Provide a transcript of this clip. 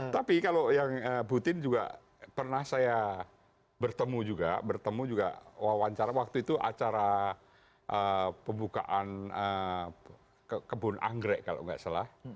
tapi kalau yang butin juga pernah saya bertemu juga bertemu juga wawancara waktu itu acara pembukaan kebun anggrek kalau nggak salah